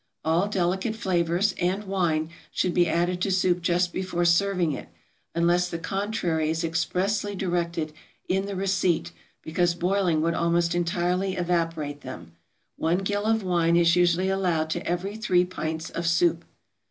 All delicate flavors, and wine, should be added to soup just before serving it, unless the contrary is expressly directed in the receipt, because boiling would almost entirely evaporate them: one gill of wine is usually allowed to every three pints of soup.